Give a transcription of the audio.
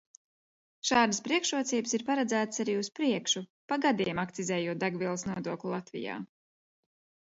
Šādas priekšrocības ir paredzētas arī uz priekšu, pa gadiem akcizējot degvielas nodokli Latvijā.